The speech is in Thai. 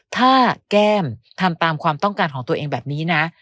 ถ้าแก้มทำตามความต้องการของตัวเองแบบนี้นะ